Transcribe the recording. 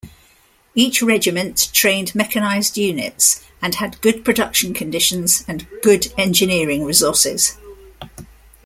Each regiment trained mechanized units, and had good production conditions and good engineering resources.